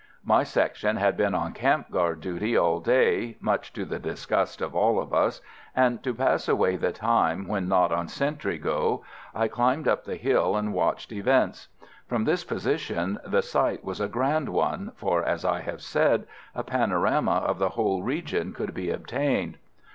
My section had been on camp guard duty all day, much to the disgust of all of us, and, to pass away the time when not on sentry go, I climbed up the hill and watched events. From this position the sight was a grand one, for, as I have said, a panorama of the whole region could be obtained.